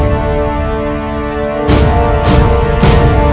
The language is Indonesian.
tidak ada yang bisa diberikan kepadamu